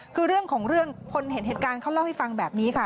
คือเรื่องของเรื่องคนเห็นเหตุการณ์เขาเล่าให้ฟังแบบนี้ค่ะ